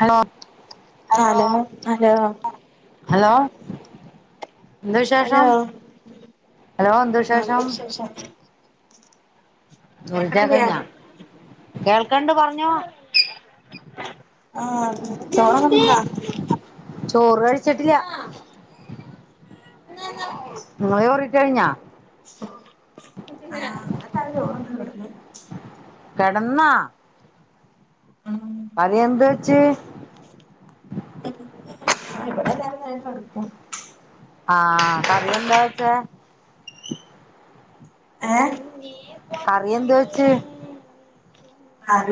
Hello hello hello hello എന്ത് hello വിശേഷം hello എന്ത് വിശേഷം മുറിച്ചാ കേക്കണില്ല്യ കഴിഞ്ഞാ കേൾക്കണ്ട് പറഞ്ഞോ ആഹ് ചോറൊക്കെ തിന്നാ ചോറ് കഴിച്ചട്ടില്ല ങ്ങളെ ചോ റെയ്കഴിഞ്ഞാ ആ ഇവിടെത്തെ ആള് ചോറ് ന്ന് കിടന്ന് കെടന്നാ ഉം അത് ന്ത് വെച്ചി ഇവിടെല്ലാരും നേര കെടുക്കും ആഹ കറിയെന്താ വെച്ചെ ഏഹ് കറിയെന്ത് വെച്ച് കറ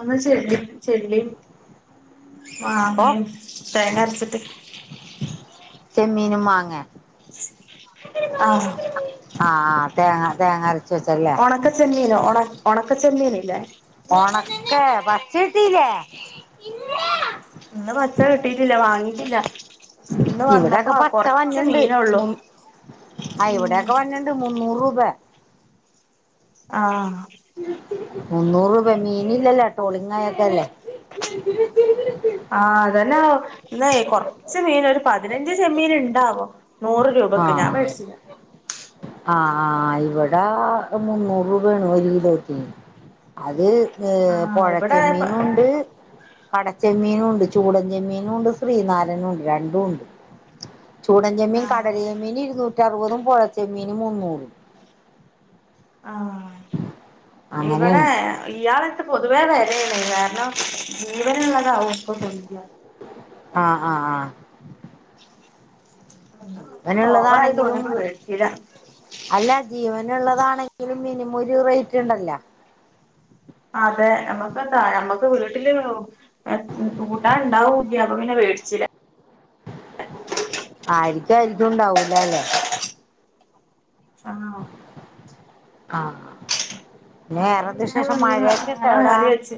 ഒന്ന് ചെള്ളി ചെള്ളി ഓ മാങ്ങിം തേങ്ങ രച്ചിട്ട് ചെമ്മീനും മാങ്ങേ ആഹ് ആഹ് ആ തേങ്ങ തേങ്ങ അരച്ച ച്ചല്ലേ ഉണക്ക ചെല്ലീനില്ല ഓണക്കെ കേട്ടിലെ ഇന്ന് പച്ച കിട്ടിട്ടില്ല വാങ്ങിട്ടില്ല ഇന്ന് വന്നപ്പോ ഇവിടെൊക്കെ പച്ച കൊറച്ച് വന്നുണ്ട് മീനൊള്ളു ആ ഉം ഇവിടെൊക്കെ വന്നുണ്ട് മുന്നൂറു ഇവ അ മുന്നൂറ് രൂപ മീനില്ലല്ലോ ടോളിങ്ങായക്കെല്ലേ ആഹ് അതെന്നെ ഇ കൊറച്ച് മീൻ ഒരു പതിനഞ്ച് ചെമ്മിന് ഉണ്ടാവോ നൂറ് രൂപക്ക് ഞാൻ മേടിച്ചില ആ ആ ഇവിടെ മുന്നൂറ് രൂപയാണ് ഒരു കിലോ ത്തിന് അത് ഏ ആഹ് പുഴച്ചെ ഇവിടെ മീനു ഉണ്ട് കടച്ചെമ്മീനും ഉണ്ട് ചൂടചെമ്മീനും ഉണ്ട് ശ്രീനാരനും ഉണ്ട് രണ്ടും ഉണ്ട് ചൂടൻചമ്മീൻ ആഹ് കടലിയമ്മീൻ ഇരുന്നൂ അറുപതും പോഴ ചെമ്മീന് മുന്നൂറ് ആഹ് ഇവിടെ ഇയാളത്ത് പൊതുവേ വെ കാരണം ജീവനള്ളതാവുംഇപ്പ കൊണ്ട രണ ആഹ ആഹ ആഹ ഓ ജീവനള്ളതാണെങ്കിലും അല്ല ജീവൻ ജീവനുള്ളതാണെങ്കിലും മിനിമംഒരു റേറ്റ് ഉണ്ടല്ലോ അതെ നമ്മക്ക്ന്താ നമ്മക്ക് വീട്ടില് കൂട്ടാ ഉണ്ടാവൂില്ല അപ്പൊ പിന്നെ വേടിച്ചില്ല ആ ആരിക്കും ആരിക്കുംണ്ടാവൂല അല്ലേ ആഹ ആഹ അപ്പ പിന്നെ വന്ന് ഞനെ വേറി വെച്ച്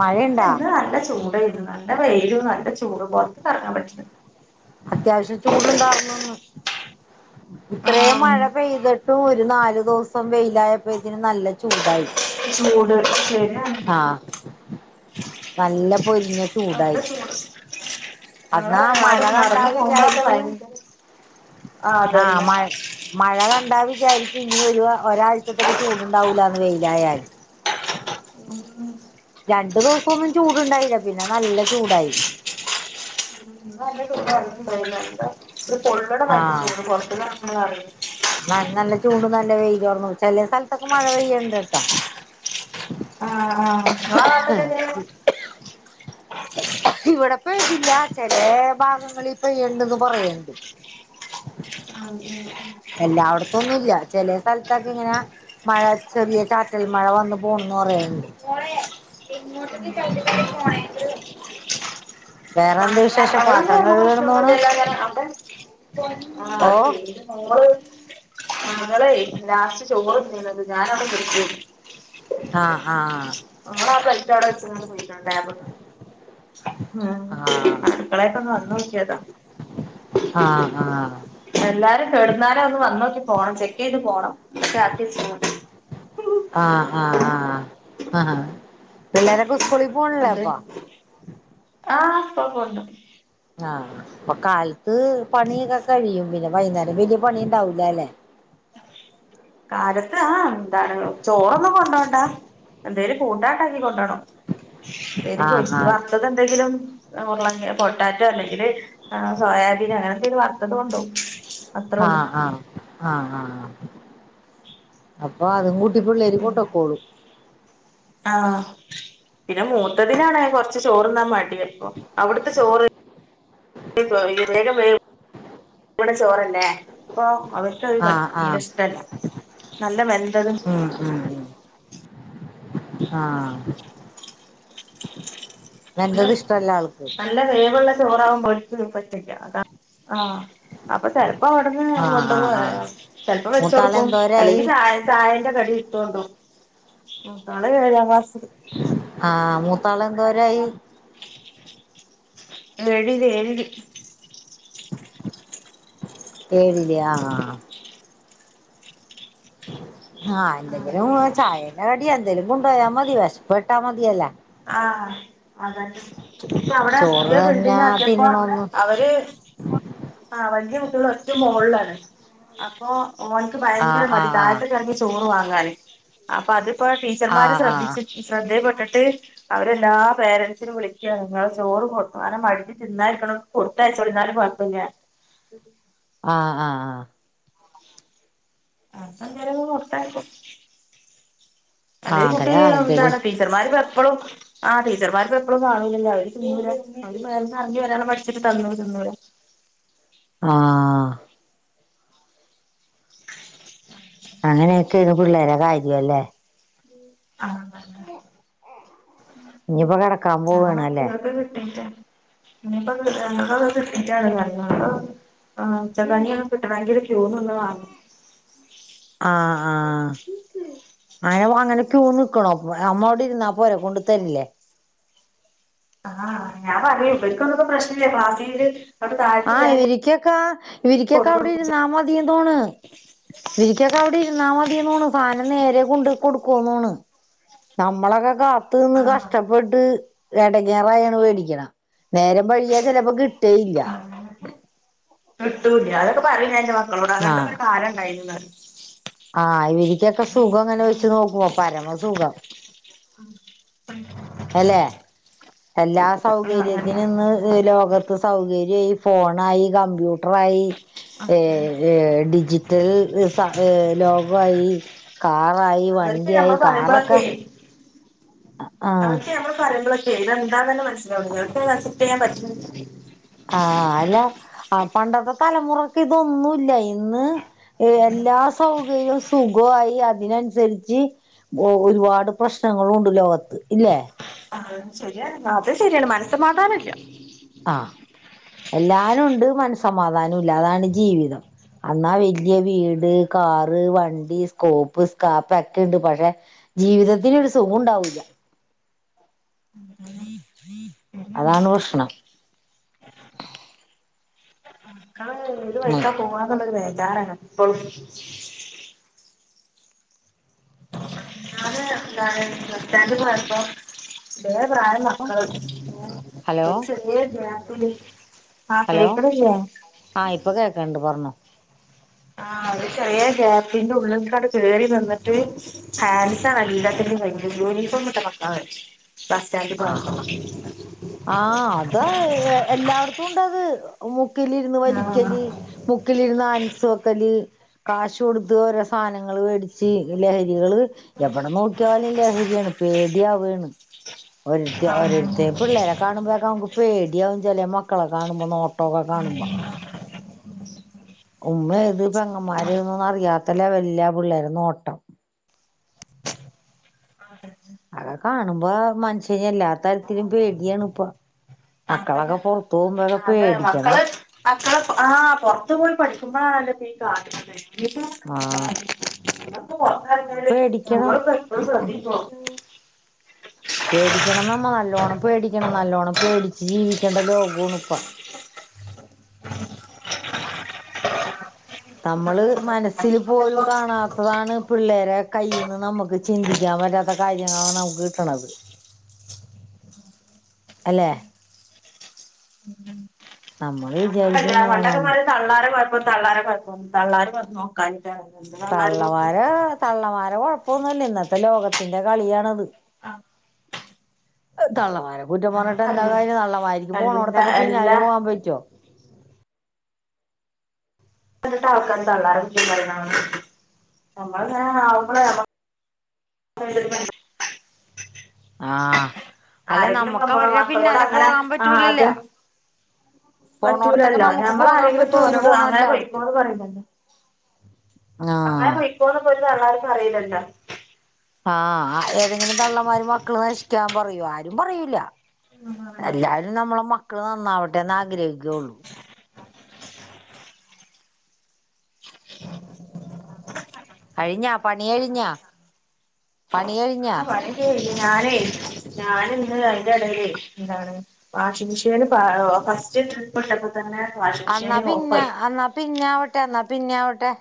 മഴയുണ്ടാ ഇന്ന് നല്ല ചൂടായിരുന്നു നല്ല വെയിലും നല്ല ചൂട് പുറത്തിറങ്ങാൻ പറ്റണില്ല അത്യാവശ്യം ചൂടുണ്ടായിർന്നന്ന് ഇത്രയും ആഹ് മഴ പെയ്ത്ട്ട് ട്ട ഒരു നാലു ദിവസം വെയിലായപ്പോ ഇതിന് നല്ല ചൂടായി ചൂട് ശരിയാണ് ആഹ് നല്ല പൊരിഞ്ഞ ചൂടായി ആ അന്നാ ആ മഴ അത് കണ്ടാ മറന്നു പോകുംമ്പളൊക്കെ വിചാരിക്കും ഭയങ്കര ആ ആഹ് അതന്നെ മഴ മഴ കണ്ടാ വി വിജാരിക്കും ഇനി ഒരു ഒരാഴ്ച്ചത്തേക്ക് ചൂടുണ്ടാവൂലാന്ന് വെയിലായാല് ഉം രണ്ടു ദിവസൊന്നും ചൂടുണ്ടായില്ല പിന്നെ നല്ല ചൂടായി പിന്നെന്താ ഇത് പൊള്ളടമായി ചൂടു പൊറത്തുന്നു നോക്കുമ്പോ അറിയിന്ന ആ നല്ല ചൂണ്ടും കാറ്റ് നല്ല വെയ്ലോർന്നു ചെല സ്ഥലത്തൊക്കെ മഴ പെയ്യണ്ട്ട്ടാ ആഹ് ആഹ് ഇങ്ങള് നാട്ടിക്ക് എങ്ങനെ ഇവിടെ ഇപ്പൊ ഇതില്ല ചെല ഭാഗങ്ങളിൽ പ്പെയ്ണ്ടന്ന് പറയണ്ട് ആഹ് എല്ലായിടത്തൊന്നുല്ല ചെല സ്ഥലത്തൊക്കെ ഇങ്ങനെ മഴ ചെറിയ ചാറ്റൽ മഴ വന്നു പോണന്ന് പറയണ്ട് [inaudible] ഉം വേറെന്താ വി അങ്ങനൊന്ന് പ്രശനൊന്നുല്ല ല്ലോ അപ്പം അവിടെ ആ ഓ അത് ആ ങ്ങളെ ലാസ്റ്റ് ചൊറ് ത് ഞാനവിടെ കിടക്കുവായിരുന്നു ആഹ് ആഹ് നമ്മൾ ആ പ്ലേറ്റവിടെ വെച്ചന് ലാബണ്ട് ഉം ആഹ് മക്കളായിട്ട് ഒന്ന് വന്ന് നോക്കിയതാ ആഹ് ആഹ് എല്ലാരും കേടുന്നാലം ഒന്ന് വന്നോക്കി പോണം ചെക്ക് ചെയ്ത് പോകണം ത് ആഹ് ആഹ് ആഹ് ആഹ് പിള്ളേരെൊക്ക സ് സ്കൂളിൽ പോണില്ലേ എന്തെ ഇപ്പോ [unintelligible] ആഹ് അപ്പൊ കാലത്ത് പണിയൊക്കെ കഴിയും പിന്നെ വൈകുന്നേരം വലിയ പണി ഉണ്ടാവൂലല്ലേ കാലത്ത് ആ എന്താണ് ചോറൊന്നും കൊണ്ടോണ്ടാ എന്തേലും കൂട്ടാണ്ടാക്കി കൊണ്ടോണം പേര് ആഹ് പോയിട്ട് വാ ആഹ് വർത്തതെന്തെങ്കിലും ഉരുളകിഴങ്ങ് പൊട്ടാറ്റോ അല്ലെങ്കിൽ സോയാബീൻ അങ്ങനെന്തെലും വറുത്തത് കൊണ്ടോവും അത്രേ ഉള്ളൂ ആഹ് ആഹ ആഹ ആഹ് ആ അപ്പ അത് കൂട്ട പിള്ളേര് കൊണ്ട് പിന്നെ പൊയ്ക്കോളൂം ആഹ് പിന്നെ മൂത്തതിനാാണ് കുറച്ച് ചോറ്ന്നാൻ മടി ഇടിയപ്പം അവിടുത്തെ ചോറ് ഇപ്പോ എന്തേലും വേ ഇവിടെ ചോറല്ലേ അപ്പൊ അവർക്ക് അത് പറ്റേ ആഹ് തീര ആഹ് ഇഷ്ടല്ല നല്ല വെന്തതും ആ അല്ല നല്ല വേവുള്ള റാവുമ്പോഴ പറ്റില്ല അതാ ആ അപ്പൊ ചെിലപ്പോ അവിടുന്ന് ആഹ് കൊണ്ട ആഹ് ആഹ് [unintelligible] ചെിലപ്പോ മൂത്താള് വെച്ചുടുക്കും എന്തോരായി അല്ലെങ്കി ചായ ചായന്റെ കടി ഇട്ട് കൊണ്ടോവും മൂത്താള്ള് ഏഴാം ക്ലസ് താള എന്തോരായി എഴുതി എഴുതി എഴുതിയ ആ ആ ആഹ് എന്തെങ്കിലും ചായ പിന്ന അടി എന്തേലും കൊണ്ട്പോയാൽ മതി വശപ്പ്പ്പെട്ടാ മതിയല്ല ആ അതെ ഇപ്പൊ അവിടെ ചോറ് പുതിയ തന്നെ ബിൽഡിങ്ങ് ആക്കിയപ്പോ തിന്നണോന്ന് അവര് ആ അവര് ഒറ്റ മോളിലാണ് അപ്പൊ ഓനക്ക് ഭയങ്കര ആഹ് മതി ആഹ് താഴതേങ്ങ ആഹ് ക്കിറങ്ങി ചോറുവാൻ അങ്ങനെ അപ്പൊ അത് അപ്പൊ ട്ടീച്ചർമാര് [unintelligible] ആഹ് ആഹ് [unintelligible] ട്ട് അവരെല്ലാ പേരൻസിനും വിളിക്കാ നിങ്ങള് ചോറ് കൊടുത്തു [unintelligible] തിന്നായിരിക്ക കൊടുത്തയച്ചോരുന്നാലും കുഴപ്പില്ല ആ ആ ആ ആ സഞ്ചാര കൊടുത്തായിക്ക ആഹ് ആഹ് അതേ ആഹ് കുട്ടി അങ്ങനെ എന്തേലും എന്താണ് ടീച്ചർമാര് പാർ ഇപ്പോള്ളും ആ ടച്ചർമാർക്ക് എഴും [unintelligible] അങ്ങനെ അവര് തിഞ്ഞുല്ല അവര് [unintelligible] ഭാക്ഷണം വച്ചിട്ട് തന്നൂ തന്നൂല ആഹ് അങ്ങനെയൊക്കെയന്ന് പിള്ളേരെ കാര്യല്ലേ അങ്ങന ഇനിപ്പോ കാണം സത്താർണ ഇവർക്ക് [unintelligible] ഇനിപ്പോ [unintelligible] [unintelligible] ആ ഉച്ചകഞ്ഞി എങ്കിലും കുട്ടണ ങ്കിൽ റ്റുവന്ന് വാങ്ങും അയിഓൻ അങ്ങനെക്ക് പുവാൻ നിക്കണോ പുവാൻ അമ്മോട് ഇുന്ന പോരെ കൊണ്ടുതരില്ലേ ആ ഞാൻ പറയും എപ്പയിക്കെ പ്രശ്നില്ല ക്ലാസ്സില്ല് ആഹ് ഇവരിക്കൊക്കെ ഇവരിക്കൊക്കെ അവിടെ കൊടുക്കും ഇരുന്നാ മതിയന്ന് തോണ് ഇവരിക്കൊക്കെ അവിടെ ഇരി ഇരുന്ന് മതിന്നോണു സാനം നേരെ കൊണ്ട് കൊടുക്കുവോന്നോണ് നമ്മളൊക്കെ കാ പത്തിന്ന് ആഹ് കഷ്ടപ്പെട്ട് ഇടങ്ങേറായാണ് മേടിക്കണം നേരം വഴിയാ ചിലപ്പോ കിട്ടോല്ല അങ്ങനെ [unintelligible] ആഹ് [unintelligible] [inaudible] ആഹ് ഇവരിക്കൊക്കെ സുഖം അങ്ങനെ വെച്ച് നോക്കുമ്പോ പരമസുഖം അല്ലെ എല്ലാ ആഹ് അങ്ങനെ സൗകര്യത്തിനും ഇന്ന് ഈ ലോകത്ത് സൗകര്യായി ഫോണായി കമ്പ്യൂട്ടറായി അങ്ങനെ [unintelligible] ഡിജിറ്റൽ ലോകവായി കാർ റായി അവർക്ക് വണ്ടിയായി നമ്മൾ കാറൊക്കെ പറയുമ്പോഴൊക്കെ ആഹ് അവർക്ക് ഞമ്മള് പറയുമ്പള് ഇതെന്താന്ന് തന്നെ മനസ്സിലാവണില്ല ഇവർക്ക് അസെപ്റ്റ് ചെയ്യാൻ പറ്റണില്ല ആ പണ്ടത്തെ തലമുറക്ക് ഇതൊന്നുംല്ല ഇന്ന് എല്ലാ സൗകര്യവും സുഖവായി അതിനനുസരിച്ച് ഒരുപാട് പ്രശ്നങ്ങളും ഉണ്ട് ലോകത്ത് ഇല്ലേ അത് ശരിയാണ് മനസ്സമാധാനവില്ല ആഹ് എല്ലാനും ഉണ്ട് മനസമാധാനം ഇല്ല അതാണ് ജീവിതം അന്നാ വലിയ വീട് കാറ് വണ്ടി സ്കോപ്പ് സ്കാപ്പ് ഒക്കെ ഉണ്ട് പക്ഷെ ജീവിതത്തിന് ഒരു സുഖം ഉണ്ടാവൂല്ല ശരിയാണ് അതാണ് പ്രശ്നം മക്കള് ഏത് വഴിക്കാ പോവാ എന്നൊള്ളതേ ഞാനാണേ എപ്പളും ഞാന് എന്താണ് ബസ്സ്റ്റാൻഡിൽ പോയപ്പോ പ്രായ ഉം മക്കള് മൂന്ന് ഹലോ ഒരു ചെറിയ [unintelligible] ഹലോ കേക്കണില്ലേ ആഹ് ഇപ്പൊ കേക്കണൊണ്ട് പറഞ്ഞോ ആ അത് ചെറിയ ഗ്യാപ്പിന്റെ ഉള്ളിൽക്കാട് കയറി വന്നിട്ട് ഹാലിസ ആണ് അലീതത്തിന്റെ ഭയങ്കര യൂണിഫോം ഇട്ട ബസ് സ്റ്റാൻഡിൽ പോയപ്പോ ആഹ് ആഹ് അതാ എല്ലായിടത്തും ഉണ്ടത് ഒമുക്ക് മുക്കിലിരുന്ന് ആഹ് വലിക്കല് മുക്കിലിരുന്ന് ആൻസ് വക്കല് കാശ് കൊടുത്ത് ഓരോ സധനം മേടിച്ച് ലഹരികള് എവിടെ നോക്കിയാലും ലഹരിയാണ് പേടിയാവാണ് ഒര ഒരിടത്തേ ആഹ് പിള്ളേരെ കാണുമ്പോഴൊക്കെ നമ്മക്ക് പേടിയാവും ചില മക്കള കാണുമ്പോ നോ ക കാണുമ്പോ ഉമ്മ ഇത് പെങ്ങന്മാര്ന്നന്നും അറിയാത്ത ലെവലിലാ പിള്ളേർടെ നോട്ടം ആകെ കാണുമ്പോ മനുഷ്യ എല്ലാ തരത്തിലും പേടിയാണ് ഇപ്പ അപ്പ മക്കളൊക്കെ ഞാ പൊ അതെ മക്കള് മക്കളെ ആ പൊറ്ത്ത് പോയി പഠിക്കുമ്പളാണല്ലോ ആാത ഇ ആ അ പേടിക്കണം ശ്രദ്ധിക്കണം പേടിക്കണം നമ്മ നല്ലോണം പേടിക്കണം നല്ലോണം പേടിച്ച് ജീവിക്കേണ്ട ലോകോണ ഇപ്പ നമ്മള് മനസ്സിൽ പോലും ഇപ്പോ കാണാത്തതാണ് പിള്ളേരെ കയ്യിൽന്ന് നമുക്ക് ചിന്തിക്കാൻ പറ്റാത്ത കാര്യങ്ങളാണ് നമുക്ക് കിട്ടണത് അല്ലെ നമ്മള് വിചാ നമ്മളല്ല പണ്ടൊക്കെ പറയും തള്ളാരെ കൊയ് അപ്പൊ തള്ളാര് കൊയ്പ്പം തള്ളാര് വന്നോ നോക്കാൻ തള്ളമാര തള്ളമാര കൊഴപ്പൊന്നുല്ല ഇന്നത്തെ ലോകത്തിന്റെ കളിയാണത് തള്ളാ കുറ്റം ഞാൻ പറഞ്ഞിട്ട് എന്താ പറയും കാര്യം തള്ളമാർക്ക് എല്ലാ പോകനോട്‌ത്തൊക്കെ പിന്നെ എല്ലാ പോവാൻ പറ്റോ [unintelligible] തള്ളരെ കുറ്റം പറിയ്ണെ നമ്മൾ ങ്ങനെ ആവുമ്പല്ലല്ലോ [unintelligible] ആ ആരെങ്കിലും പ്പം നമ്മടെ മക്കളോട് അങ്ങനെ പോകാൻ ആ അത് പറ്റൂലല്ലോ പോണോടത്തൊക്കെ പറ്റൂലല്ലോ നമുക്ക് ഞമ്മൾ പോകാൻ ആരെങ്കിലും പറ്റോ ഇപ്പോ ഇവര് ഓരോട് പോണ അങ്ങനെ എല്ലാടത്തും പോയിക്കോന്ന് പറീല്ലല്ലോ അങ്ങനെ ആഹ് പോയിക്കോന്ന്. തള്ളാർ പറീല്ലല്ലോ ആ ഏതെങ്കിലും തള്ളം മാര് മക്കള് നശിക്കാൻ പറയു ആരും പറയൂല എല്ലാരും നമ്മളെമ്മ നന്നാവട്ടെ ന്ന് ആ [unintelligible] പണികഴിഞ്ഞാ ആ ക്കെ പണികഴിഞ്ഞ് ഞാനേ ഞാനിന്ന് അയ്ന്റെ എടേലെ ന്താണ് വാഷിംഗ് മെഷീന് അ ഫസ്റ്റ് ട്രിപ്പ് ഇട്ടപ്പ തന്നെ വാഷിംഗ് അന്നാ മെഷീന് പിന്ന ഓഫായി പോയി. അന്ന പിന്ന അവട്ടെ ന്നാ പിന്നെവട്ടെ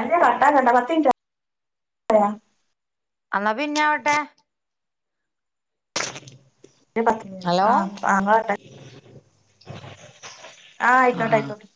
അല്ല കട്ടാകണ്ട പത്തിൻ റ്റ് ആയ അന്ന പിന്നൊവട്ടെ പ ഹലോ ആ [unintelligible] ആ ആയിക്കോട്ടെ ആഹ് ആയിക്കോട്ടെ